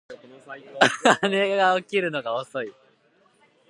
姉は起きるのが遅い